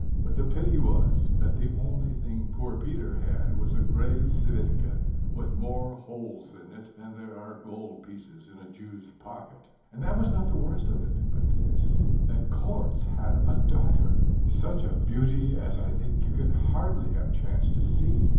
But the pity was, that the only thing poor Peter had was a gray svitka with more holes in it than there are gold pieces in a Jew's pocket. And that was not the worst of it, but this: that Korzh had a daughter, such a beauty as I think you can hardly have chanced to see.